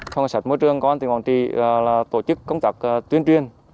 phòng cảnh sát môi trường công an tỉnh quảng trị tổ chức công tác tuyên truyền